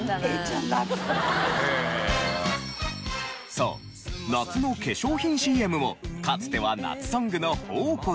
そう夏の化粧品ＣＭもかつては夏ソングの宝庫でした。